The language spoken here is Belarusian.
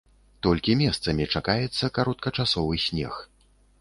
Толькі месцамі чакаецца кароткачасовы снег.